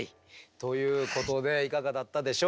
ということでいかがだったでしょうか